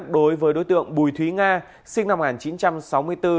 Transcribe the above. đối với đối tượng bùi thúy nga sinh năm một nghìn chín trăm sáu mươi bốn